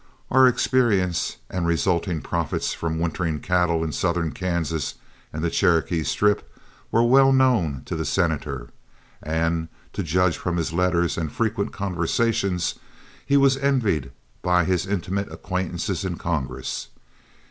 Our experience and resultant profits from wintering cattle in southern Kansas and the Cherokee Strip were well known to the Senator, and, to judge from his letters and frequent conversations, he was envied by his intimate acquaintances in Congress.